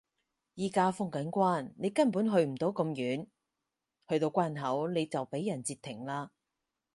而家封緊關你根本去唔到咁遠，去到關口你就畀人截停啦